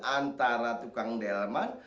antara tukang delman